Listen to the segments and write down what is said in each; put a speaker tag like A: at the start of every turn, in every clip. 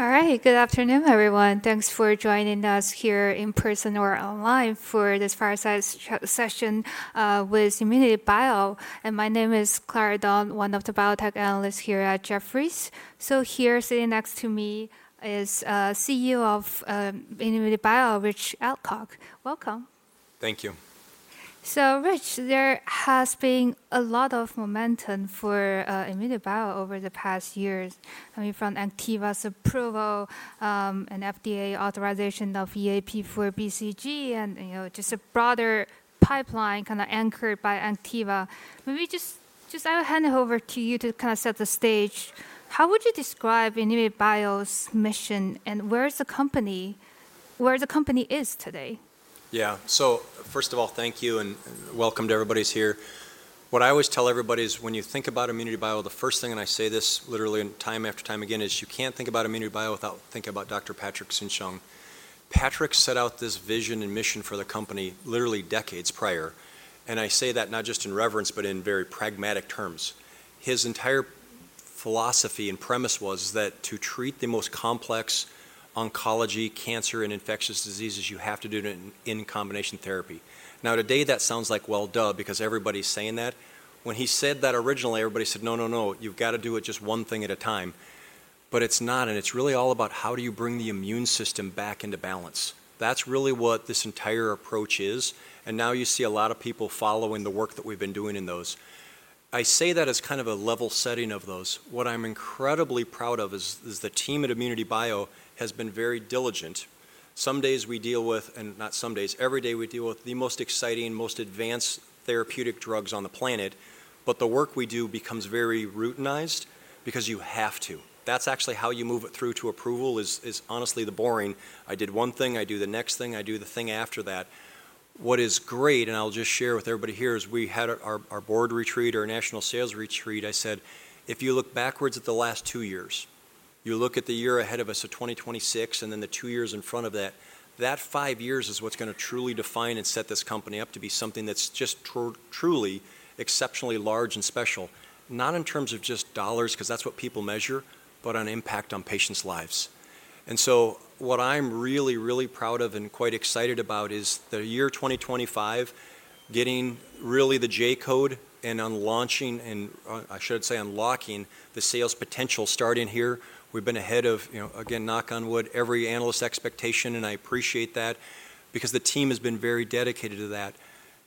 A: All right, good afternoon, everyone. Thanks for joining us here in person or online for this fireside session with ImmunityBio. My name is Clara Don, one of the biotech analysts here at Jefferies. Here, sitting next to me is CEO of ImmunityBio, Rich Adcock. Welcome.
B: Thank you.
A: Rich, there has been a lot of momentum for ImmunityBio over the past years, coming from ANKTIVA's approval and FDA authorization of EAP for BCG and just a broader pipeline kind of anchored by ANKTIVA. Maybe just I'll hand it over to you to kind of set the stage. How would you describe ImmunityBio's mission and where is the company today?
B: Yeah, so first of all, thank you and welcome to everybody who's here. What I always tell everybody is when you think about ImmunityBio, the first thing, and I say this literally time after time again, is you can't think about ImmunityBio without thinking about Dr. Patrick Soon-Shiong. Patrick set out this vision and mission for the company literally decades prior. And I say that not just in reverence, but in very pragmatic terms. His entire philosophy and premise was that to treat the most complex oncology, cancer, and infectious diseases, you have to do it in combination therapy. Now today, that sounds like well-dubbed because everybody's saying that. When he said that originally, everybody said, no, no, no, you've got to do it just one thing at a time. But it's not, and it's really all about how do you bring the immune system back into balance. That's really what this entire approach is. Now you see a lot of people following the work that we've been doing in those. I say that as kind of a level setting of those. What I'm incredibly proud of is the team at ImmunityBio has been very diligent. Some days we deal with, and not some days, every day we deal with the most exciting, most advanced therapeutic drugs on the planet. The work we do becomes very routinized because you have to. That's actually how you move it through to approval is honestly the boring. I did one thing, I do the next thing, I do the thing after that. What is great, and I'll just share with everybody here, is we had our board retreat, our national sales retreat. I said, if you look backwards at the last two years, you look at the year ahead of us, so 2026, and then the two years in front of that, that five years is what's going to truly define and set this company up to be something that's just truly exceptionally large and special. Not in terms of just dollars, because that's what people measure, but on impact on patients' lives. What I'm really, really proud of and quite excited about is the year 2025, getting really the J-code and unlocking the sales potential starting here. We've been ahead of, again, knock on wood, every analyst expectation, and I appreciate that because the team has been very dedicated to that.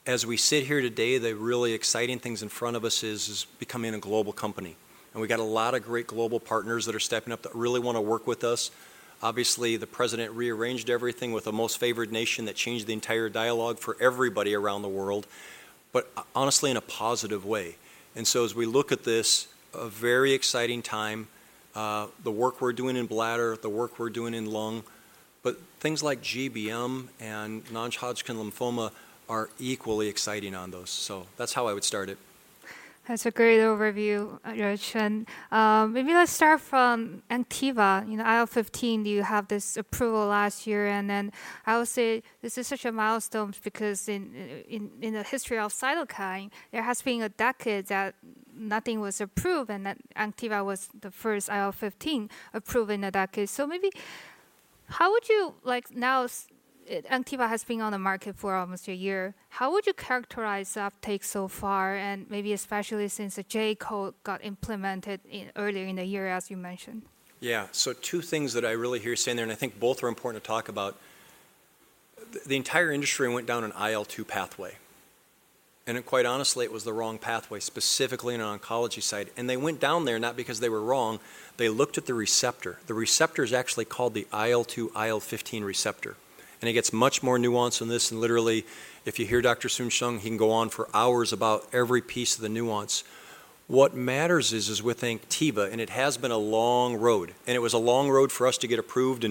B: As we sit here today, the really exciting things in front of us is becoming a global company. We have a lot of great global partners that are stepping up that really want to work with us. Obviously, the president rearranged everything with the most favored nation that changed the entire dialogue for everybody around the world, honestly in a positive way. As we look at this, it is a very exciting time, the work we are doing in bladder, the work we are doing in lung, but things like GBM and non-Hodgkin lymphoma are equally exciting on those. That is how I would start it.
A: That's a great overview, Rich. Maybe let's start from ANKTIVA. In IL-15, you have this approval last year. I will say this is such a milestone because in the history of cytokine, there has been a decade that nothing was approved and that ANKTIVA was the first IL-15 approved in a decade. Maybe how would you like now ANKTIVA has been on the market for almost a year. How would you characterize the uptake so far and maybe especially since the J-code got implemented earlier in the year, as you mentioned?
B: Yeah, two things that I really hear you saying there, and I think both are important to talk about. The entire industry went down an IL-2 pathway. Quite honestly, it was the wrong pathway, specifically on the oncology side. They went down there not because they were wrong. They looked at the receptor. The receptor is actually called the IL-2, IL-15 receptor. It gets much more nuanced than this. Literally, if you hear Dr. Soon-Shiong, he can go on for hours about every piece of the nuance. What matters is with ANKTIVA, and it has been a long road, and it was a long road for us to get approved.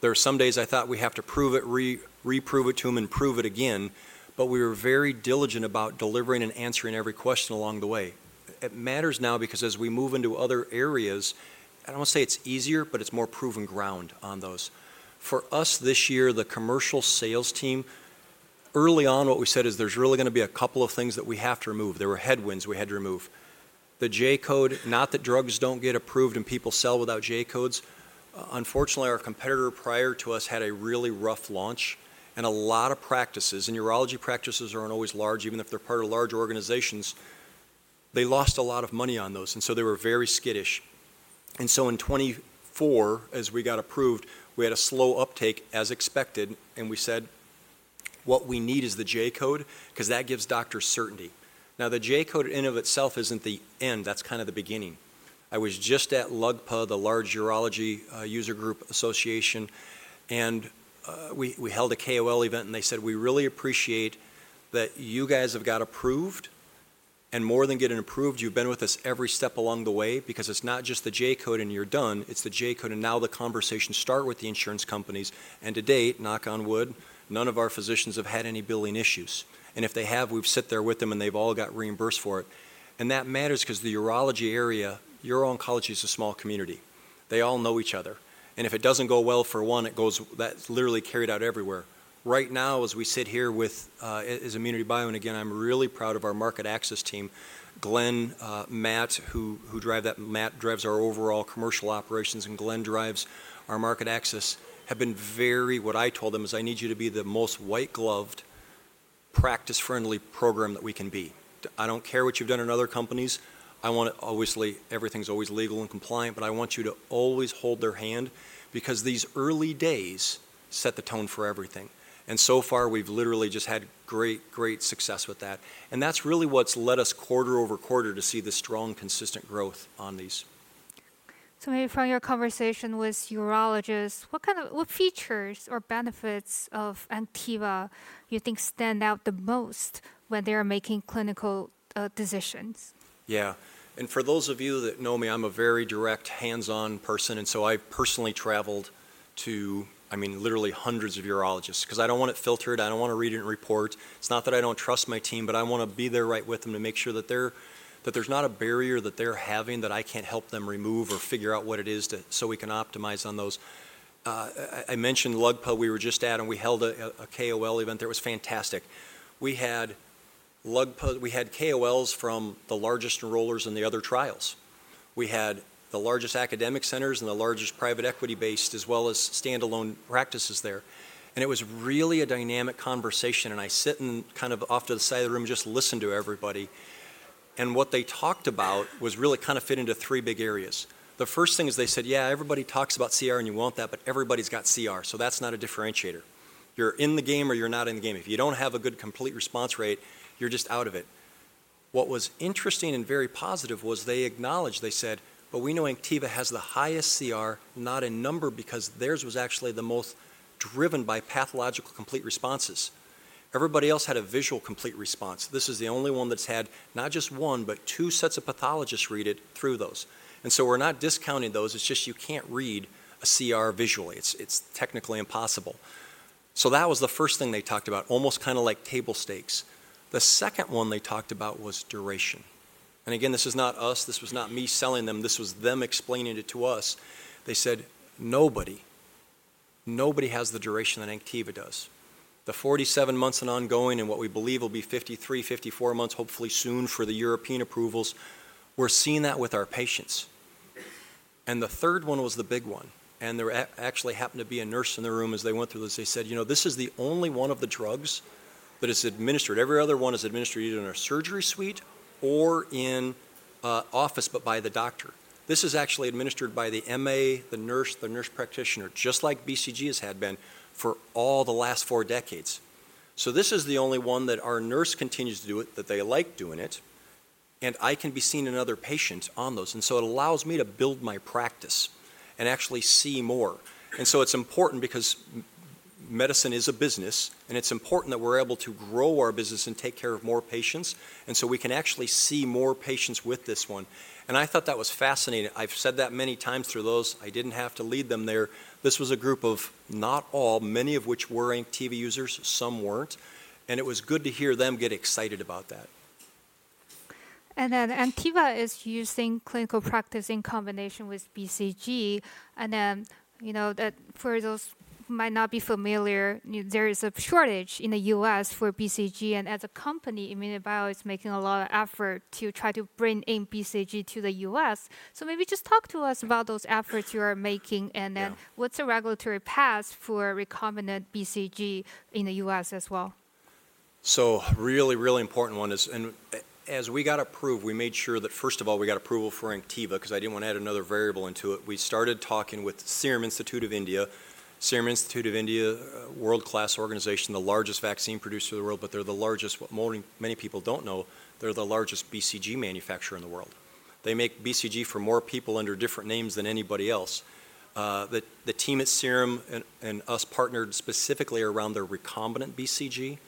B: There are some days I thought we have to prove it, reprove it to him, and prove it again. We were very diligent about delivering and answering every question along the way. It matters now because as we move into other areas, I don't want to say it's easier, but it's more proven ground on those. For us this year, the commercial sales team, early on, what we said is there's really going to be a couple of things that we have to remove. There were headwinds we had to remove. The J-code, not that drugs don't get approved and people sell without J-codes. Unfortunately, our competitor prior to us had a really rough launch and a lot of practices. Urology practices aren't always large, even if they're part of large organizations. They lost a lot of money on those, and they were very skittish. In 2024, as we got approved, we had a slow uptake as expected. We said, what we need is the J-code because that gives doctors certainty. Now, the J-code in and of itself isn't the end. That's kind of the beginning. I was just at LUGPA, the large urology user group association, and we held a KOL event, and they said, we really appreciate that you guys have got approved. And more than getting approved, you've been with us every step along the way because it's not just the J-code and you're done. It's the J-code. And now the conversations start with the insurance companies. To date, knock on wood, none of our physicians have had any billing issues. If they have, we've sat there with them and they've all got reimbursed for it. That matters because the urology area, uro-oncology is a small community. They all know each other. If it doesn't go well for one, it goes, that's literally carried out everywhere. Right now, as we sit here with ImmunityBio, and again, I'm really proud of our market access team, Glenn, Matt, who drive that, Matt drives our overall commercial operations, and Glenn drives our market access, have been very, what I told them is I need you to be the most white-gloved, practice-friendly program that we can be. I don't care what you've done in other companies. I want to obviously everything's always legal and compliant, but I want you to always hold their hand because these early days set the tone for everything. So far, we've literally just had great, great success with that. That's really what's led us quarter over quarter to see the strong, consistent growth on these.
A: Maybe from your conversation with urologists, what kind of features or benefits of ANKTIVA you think stand out the most when they are making clinical decisions?
B: Yeah. And for those of you that know me, I'm a very direct, hands-on person. I personally traveled to, I mean, literally hundreds of urologists because I don't want it filtered. I don't want to read it in reports. It's not that I don't trust my team, but I want to be there right with them to make sure that there's not a barrier that they're having that I can't help them remove or figure out what it is so we can optimize on those. I mentioned LUGPA. We were just at, and we held a KOL event. It was fantastic. We had LUGPA. We had KOLs from the largest enrollers in the other trials. We had the largest academic centers and the largest private equity-based, as well as standalone practices there. It was really a dynamic conversation. I sit in kind of off to the side of the room and just listen to everybody. What they talked about really kind of fit into three big areas. The first thing is they said, yeah, everybody talks about CR and you want that, but everybody's got CR. That's not a differentiator. You're in the game or you're not in the game. If you don't have a good complete response rate, you're just out of it. What was interesting and very positive was they acknowledged, they said, we know ANKTIVA has the highest CR, not a number, because theirs was actually the most driven by pathological complete responses. Everybody else had a visual complete response. This is the only one that's had not just one, but two sets of pathologists read it through those. We're not discounting those. It's just you can't read a CR visually. It's technically impossible. That was the first thing they talked about, almost kind of like table stakes. The second one they talked about was duration. Again, this is not us. This was not me selling them. This was them explaining it to us. They said, nobody, nobody has the duration that ANKTIVA does. The 47 months and ongoing and what we believe will be 53, 54 months, hopefully soon for the European approvals. We're seeing that with our patients. The third one was the big one. There actually happened to be a nurse in the room as they went through this. They said, you know, this is the only one of the drugs that is administered. Every other one is administered either in a surgery suite or in office, but by the doctor. This is actually administered by the MA, the nurse, the nurse practitioner, just like BCG has had been for all the last four decades. This is the only one that our nurse continues to do it, that they like doing it. I can be seen in other patients on those. It allows me to build my practice and actually see more. It is important because medicine is a business, and it is important that we are able to grow our business and take care of more patients. We can actually see more patients with this one. I thought that was fascinating. I have said that many times through those. I did not have to lead them there. This was a group of not all, many of which were ANKTIVA users, some were not. It was good to hear them get excited about that.
A: ANKTIVA is using clinical practice in combination with BCG. For those who might not be familiar, there is a shortage in the U.S. for BCG. As a company, ImmunityBio is making a lot of effort to try to bring in BCG to the U.S. Maybe just talk to us about those efforts you are making and then what's the regulatory path for recombinant BCG in the U.S. as well?
B: Really, really important one is, and as we got approved, we made sure that first of all, we got approval for ANKTIVA because I didn't want to add another variable into it. We started talking with Serum Institute of India. Serum Institute of India, world-class organization, the largest vaccine producer in the world, but they're the largest, what many people don't know, they're the largest BCG manufacturer in the world. They make BCG for more people under different names than anybody else. The team at Serum and us partnered specifically around their recombinant BCG.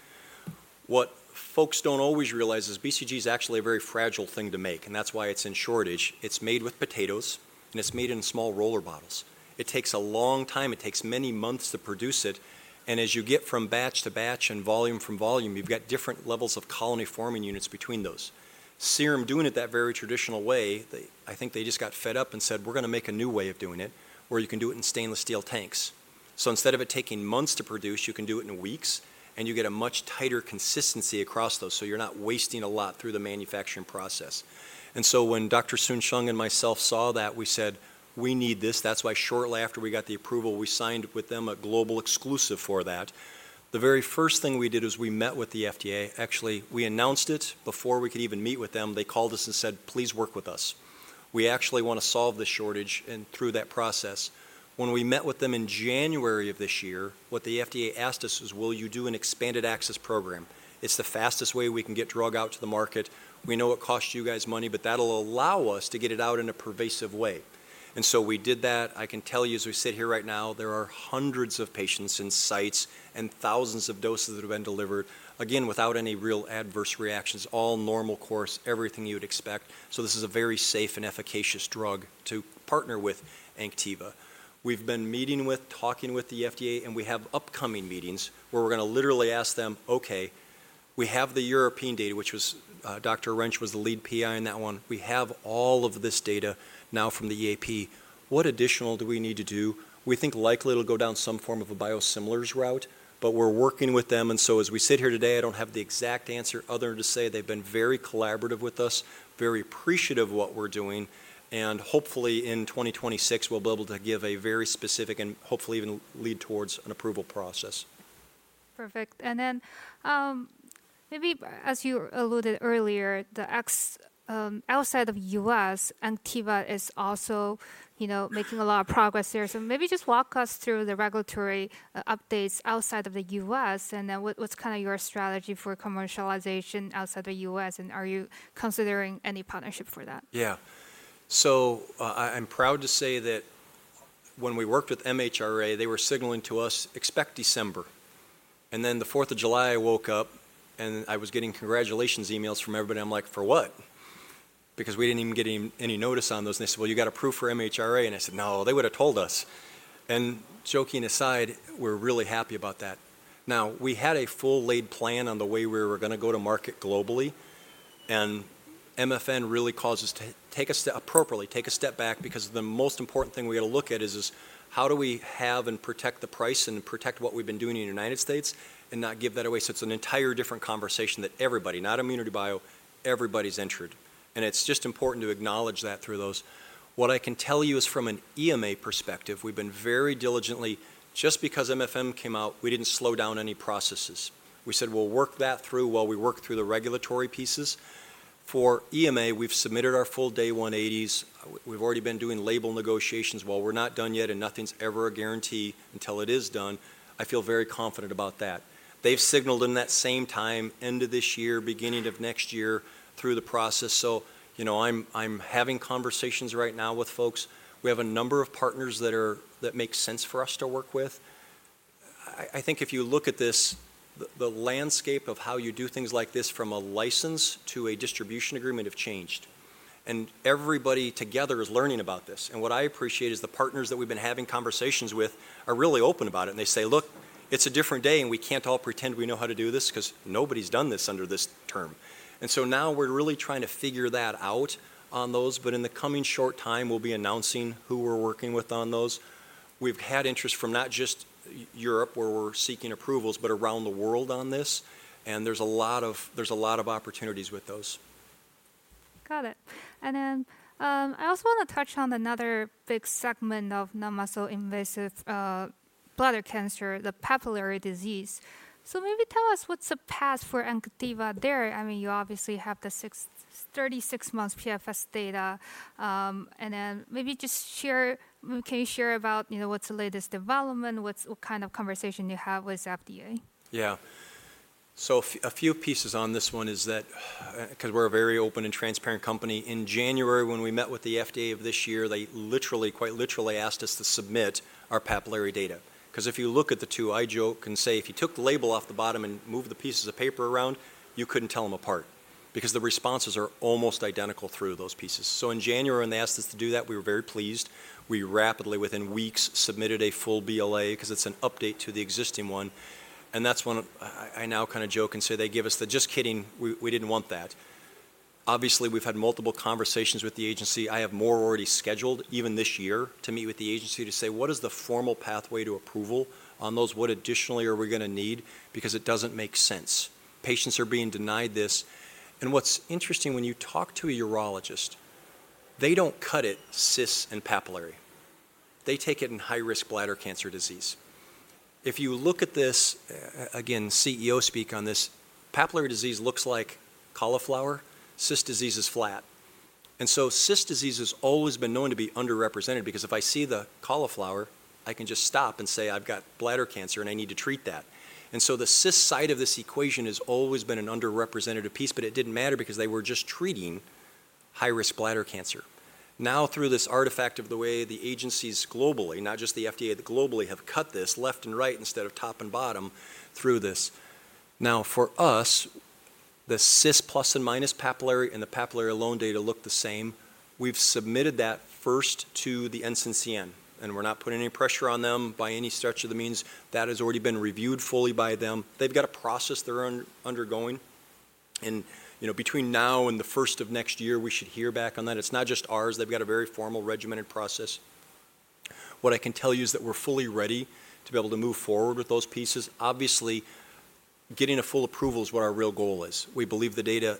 B: What folks don't always realize is BCG is actually a very fragile thing to make, and that's why it's in shortage. It's made with potatoes, and it's made in small roller bottles. It takes a long time. It takes many months to produce it. As you get from batch to batch and volume from volume, you've got different levels of colony forming units between those. Serum doing it that very traditional way, I think they just got fed up and said, we're going to make a new way of doing it where you can do it in stainless steel tanks. Instead of it taking months to produce, you can do it in weeks, and you get a much tighter consistency across those. You're not wasting a lot through the manufacturing process. When Dr. Soon-Shiong and myself saw that, we said, we need this. That's why shortly after we got the approval, we signed with them a global exclusive for that. The very first thing we did is we met with the FDA. Actually, we announced it before we could even meet with them. They called us and said, please work with us. We actually want to solve this shortage and through that process. When we met with them in January of this year, what the FDA asked us is, will you do an expanded access program? It's the fastest way we can get drug out to the market. We know it costs you guys money, but that'll allow us to get it out in a pervasive way. We did that. I can tell you, as we sit here right now, there are hundreds of patients in sites and thousands of doses that have been delivered, again, without any real adverse reactions, all normal course, everything you'd expect. This is a very safe and efficacious drug to partner with ANKTIVA. We've been meeting with, talking with the FDA, and we have upcoming meetings where we're going to literally ask them, okay, we have the European data, which was Dr. Arench was the lead PI in that one. We have all of this data now from the EAP. What additional do we need to do? We think likely it'll go down some form of a biosimilars route, but we're working with them. As we sit here today, I don't have the exact answer other than to say they've been very collaborative with us, very appreciative of what we're doing. Hopefully in 2026, we'll be able to give a very specific and hopefully even lead towards an approval process.
A: Perfect. And then maybe as you alluded earlier, outside of the U.S., ANKTIVA is also making a lot of progress there. So maybe just walk us through the regulatory updates outside of the U.S. and then what's kind of your strategy for commercialization outside the U.S.? And are you considering any partnership for that?
B: Yeah. I'm proud to say that when we worked with MHRA, they were signaling to us, expect December. On the 4th of July, I woke up and I was getting congratulations emails from everybody. I'm like, for what? Because we didn't even get any notice on those. They said, well, you got approved for MHRA. I said, no, they would have told us. Joking aside, we're really happy about that. We had a full laid plan on the way we were going to go to market globally. MFN really caused us to take a step, appropriately, take a step back because the most important thing we got to look at is how do we have and protect the price and protect what we've been doing in the United States and not give that away. It is an entire different conversation that everybody, not ImmunityBio, everybody's entered. It is just important to acknowledge that through those. What I can tell you is from an EMA perspective, we have been very diligently, just because MFM came out, we did not slow down any processes. We said, we will work that through while we work through the regulatory pieces. For EMA, we have submitted our full day 180s. We have already been doing label negotiations. While we are not done yet and nothing is ever a guarantee until it is done, I feel very confident about that. They have signaled in that same time, end of this year, beginning of next year through the process. I am having conversations right now with folks. We have a number of partners that make sense for us to work with. I think if you look at this, the landscape of how you do things like this from a license to a distribution agreement have changed. Everybody together is learning about this. What I appreciate is the partners that we've been having conversations with are really open about it. They say, look, it's a different day and we can't all pretend we know how to do this because nobody's done this under this term. Now we're really trying to figure that out on those. In the coming short time, we'll be announcing who we're working with on those. We've had interest from not just Europe where we're seeking approvals, but around the world on this. There's a lot of opportunities with those.
A: Got it. I also want to touch on another big segment of non-muscle invasive bladder cancer, the papillary disease. Maybe tell us what's the path for ANKTIVA there. I mean, you obviously have the 36-month PFS data. Maybe just share, can you share about what's the latest development, what kind of conversation you have with FDA?
B: Yeah. A few pieces on this one is that because we're a very open and transparent company. In January, when we met with the FDA of this year, they literally, quite literally asked us to submit our papillary data. If you look at the two, I joke and say, if you took the label off the bottom and moved the pieces of paper around, you could not tell them apart because the responses are almost identical through those pieces. In January, when they asked us to do that, we were very pleased. We rapidly, within weeks, submitted a full BLA because it is an update to the existing one. That is when I now kind of joke and say they give us the, just kidding, we did not want that. Obviously, we have had multiple conversations with the agency. I have more already scheduled even this year to meet with the agency to say, what is the formal pathway to approval on those? What additionally are we going to need? Because it does not make sense. Patients are being denied this. What is interesting when you talk to a urologist, they do not cut it cysts and papillary. They take it in high-risk bladder cancer disease. If you look at this, again, CEO speak on this, papillary disease looks like cauliflower. Cyst disease is flat. Cyst disease has always been known to be underrepresented because if I see the cauliflower, I can just stop and say, I have got bladder cancer and I need to treat that. The cyst side of this equation has always been an underrepresented piece, but it did not matter because they were just treating high-risk bladder cancer. Now, through this artifact of the way the agencies globally, not just the FDA, globally have cut this left and right instead of top and bottom through this. Now, for us, the cyst plus and minus papillary and the papillary alone data look the same. We've submitted that first to the NCCN, and we're not putting any pressure on them by any stretch of the means. That has already been reviewed fully by them. They've got a process they're undergoing. Between now and the 1st of next year, we should hear back on that. It's not just ours. They've got a very formal regimented process. What I can tell you is that we're fully ready to be able to move forward with those pieces. Obviously, getting a full approval is what our real goal is. We believe the data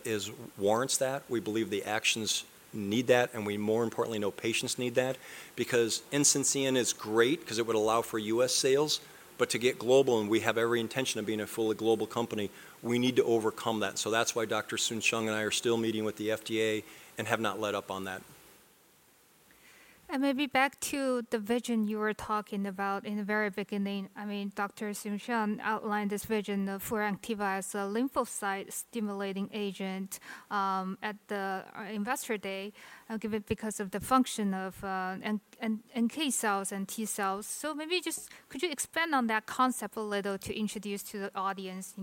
B: warrants that. We believe the actions need that. We more importantly know patients need that because NCCN is great because it would allow for U.S. sales. To get global, and we have every intention of being a fully global company, we need to overcome that. That is why Dr. Soon-Shiong and I are still meeting with the FDA and have not let up on that.
A: Maybe back to the vision you were talking about in the very beginning. I mean, Dr. Soon-Shiong outlined this vision for ANKTIVA as a lymphocyte stimulating agent at the investor day because of the function of NK cells and T cells. Maybe just could you expand on that concept a little to introduce to the audience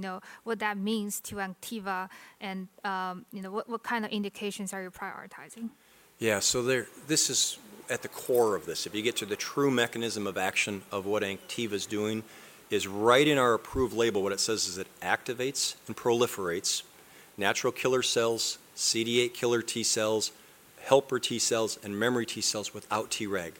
A: what that means to ANKTIVA and what kind of indications are you prioritizing?
B: Yeah, so this is at the core of this. If you get to the true mechanism of action of what ANKTIVA is doing is right in our approved label, what it says is it activates and proliferates natural killer cells, CD8 killer T cells, helper T cells, and memory T cells without Treg.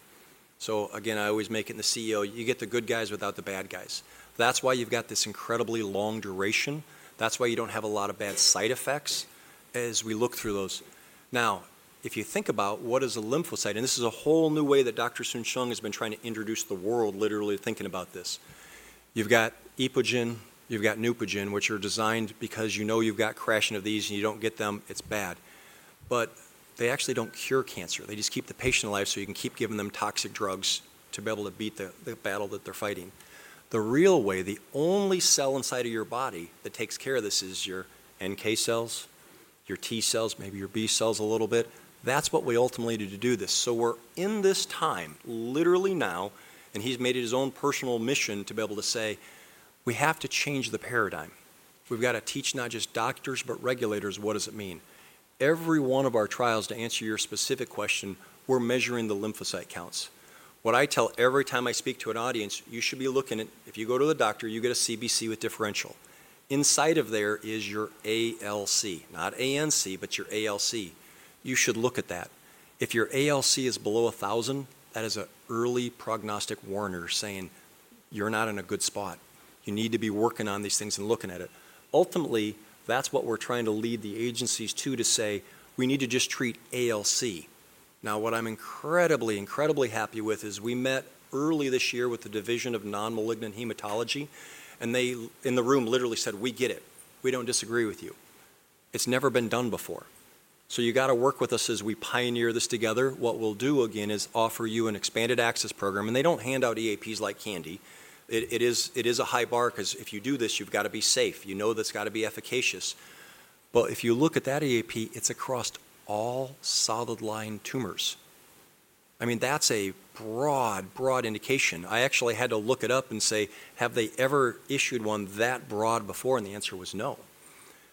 B: I always make it in the CEO, you get the good guys without the bad guys. That is why you have got this incredibly long duration. That is why you do not have a lot of bad side effects as we look through those. Now, if you think about what is a lymphocyte, and this is a whole new way that Dr. Soon-Shiong has been trying to introduce the world literally thinking about this. You have got Epogen, you have got Neupogen, which are designed because you know you have got crashing of these and you do not get them, it is bad. They actually do not cure cancer. They just keep the patient alive so you can keep giving them toxic drugs to be able to beat the battle that they are fighting. The real way, the only cell inside of your body that takes care of this is your NK cells, your T cells, maybe your B cells a little bit. That is what we ultimately need to do this. We are in this time literally now, and he has made it his own personal mission to be able to say, we have to change the paradigm. We have to teach not just doctors, but regulators, what does it mean? Every one of our trials, to answer your specific question, we are measuring the lymphocyte counts. What I tell every time I speak to an audience, you should be looking at, if you go to the doctor, you get a CBC with differential. Inside of there is your ALC, not ANC, but your ALC. You should look at that. If your ALC is below 1,000, that is an early prognostic warner saying you're not in a good spot. You need to be working on these things and looking at it. Ultimately, that's what we're trying to lead the agencies to, to say we need to just treat ALC. Now, what I'm incredibly, incredibly happy with is we met early this year with the Division of Non-Malignant Hematology, and they in the room literally said, we get it. We don't disagree with you. It's never been done before. You got to work with us as we pioneer this together. What we'll do again is offer you an expanded access program. They don't hand out EAPs like candy. It is a high bar because if you do this, you've got to be safe. You know that's got to be efficacious. If you look at that EAP, it's across all solid line tumors. I mean, that's a broad, broad indication. I actually had to look it up and say, have they ever issued one that broad before? The answer was no.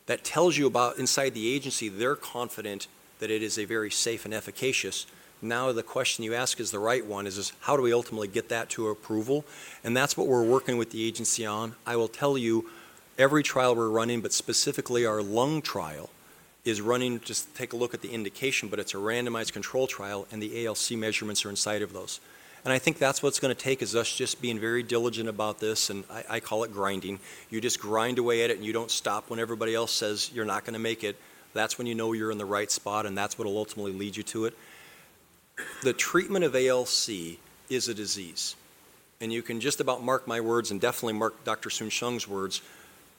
B: That tells you about inside the agency, they're confident that it is a very safe and efficacious. The question you ask is the right one is how do we ultimately get that to approval? That's what we're working with the agency on. I will tell you every trial we're running, but specifically our lung trial is running just to take a look at the indication, but it's a randomized control trial and the ALC measurements are inside of those. I think that's what's going to take is us just being very diligent about this. I call it grinding. You just grind away at it and you do not stop when everybody else says you are not going to make it. That is when you know you are in the right spot and that is what will ultimately lead you to it. The treatment of ALC is a disease. You can just about mark my words and definitely mark Dr. Soon-Shiong's words.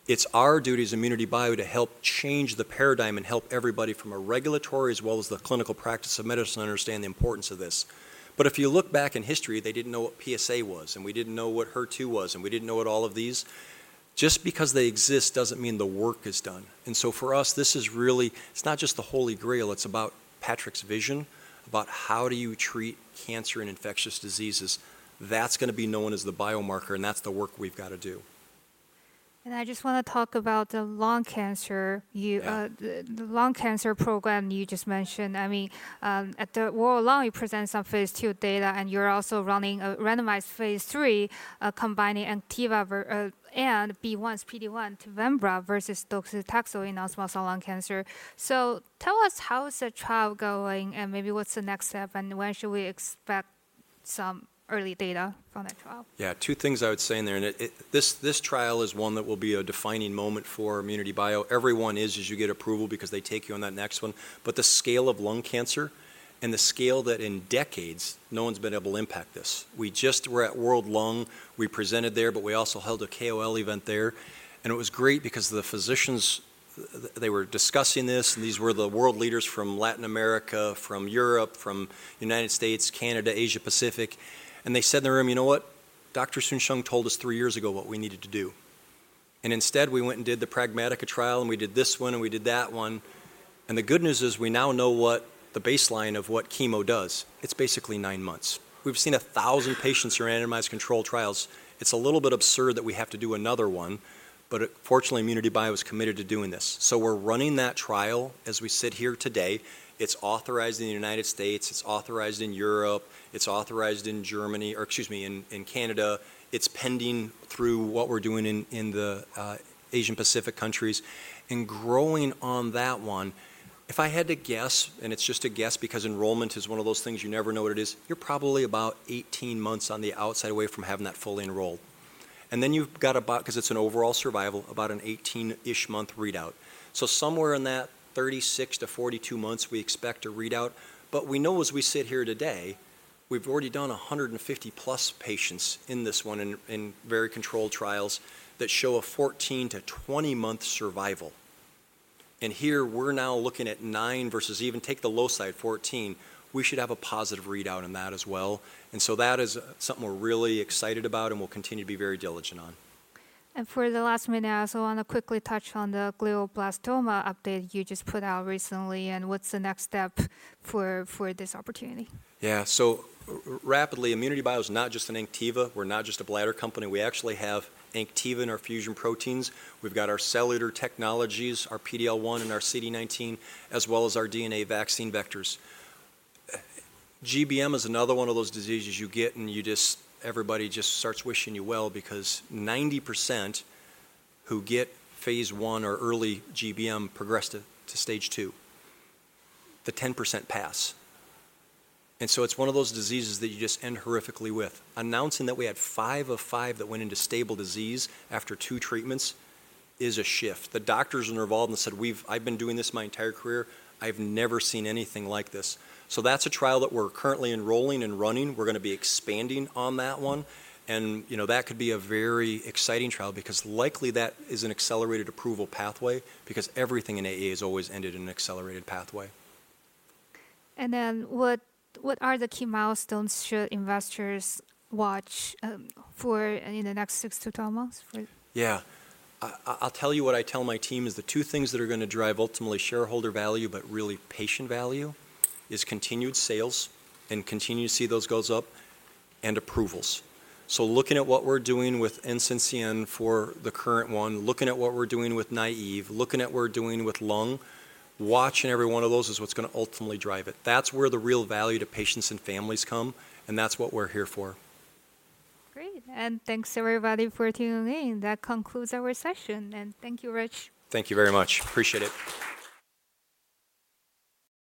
B: It is our duty as ImmunityBio to help change the paradigm and help everybody from a regulatory as well as the clinical practice of medicine understand the importance of this. If you look back in history, they did not know what PSA was and we did not know what HER2 was and we did not know what all of these. Just because they exist does not mean the work is done. For us, this is really, it is not just the Holy Grail. It's about Patrick's vision about how do you treat cancer and infectious diseases. That's going to be known as the biomarker and that's the work we've got to do.
A: I just want to talk about the lung cancer, the lung cancer program you just mentioned. I mean, at the World Lung, you present some phase II data and you're also running a randomized phase III combining ANKTIVA and BCG's PD-1, pembrolizumab, versus doxetaxel in non-small cell lung cancer. Tell us how is the trial going and maybe what's the next step and when should we expect some early data from that trial?
B: Yeah, two things I would say in there. This trial is one that will be a defining moment for ImmunityBio. Everyone is as you get approval because they take you on that next one. The scale of lung cancer and the scale that in decades, no one's been able to impact this. We just were at World Lung, we presented there, but we also held a KOL event there. It was great because the physicians, they were discussing this and these were the world leaders from Latin America, from Europe, from the United States, Canada, Asia Pacific. They said in the room, you know what? Dr. Soon-Shiong told us three years ago what we needed to do. Instead, we went and did the pragmatica trial and we did this one and we did that one. The good news is we now know what the baseline of what chemo does. It's basically nine months. We've seen a thousand patients who are randomized control trials. It's a little bit absurd that we have to do another one, but fortunately, ImmunityBio is committed to doing this. We're running that trial as we sit here today. It's authorized in the United States. It's authorized in Europe. It's authorized in Canada. It's pending through what we're doing in the Asia Pacific countries and growing on that one. If I had to guess, and it's just a guess because enrollment is one of those things you never know what it is, you're probably about 18 months on the outside away from having that fully enrolled. And then you've got about, because it's an overall survival, about an 18-ish month readout. Somewhere in that 36-42 months, we expect a readout. We know as we sit here today, we've already done 150 plus patients in this one in very controlled trials that show a 14-20 month survival. Here we're now looking at nine versus even take the low side 14. We should have a positive readout on that as well. That is something we're really excited about and we'll continue to be very diligent on.
A: For the last minute, I also want to quickly touch on the glioblastoma update you just put out recently and what's the next step for this opportunity?
B: Yeah, so rapidly, ImmunityBio is not just an ANKTIVA. We're not just a bladder company. We actually have ANKTIVA in our fusion proteins. We've got our cellular technologies, our PDL1 and our CD19, as well as our DNA vaccine vectors. GBM is another one of those diseases you get and you just, everybody just starts wishing you well because 90% who get phase I or early GBM progress to stage two. The 10% pass. It's one of those diseases that you just end horrifically with. Announcing that we had five of five that went into stable disease after two treatments is a shift. The doctors are involved and said, I've been doing this my entire career. I've never seen anything like this. That's a trial that we're currently enrolling and running. We're going to be expanding on that one. That could be a very exciting trial because likely that is an accelerated approval pathway because everything in AA has always ended in an accelerated pathway.
A: What are the key milestones should investors watch for in the next six to twelve months?
B: Yeah. I'll tell you what I tell my team is the two things that are going to drive ultimately shareholder value, but really patient value, are continued sales and continue to see those goals up and approvals. Looking at what we're doing with NCCN for the current one, looking at what we're doing with Naive, looking at what we're doing with lung, watching every one of those is what's going to ultimately drive it. That is where the real value to patients and families come. That is what we're here for.
A: Great. Thanks to everybody for tuning in. That concludes our session. Thank you, Rich.
B: Thank you very much. Appreciate it.